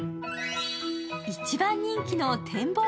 一番人気の展望